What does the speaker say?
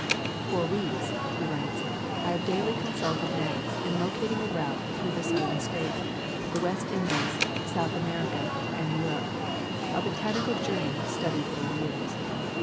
"For weeks," he writes, "I have daily consulted maps in lo cating a route through the Southern States, the West Indies, South America, and Europe — a botanical journey studied for years.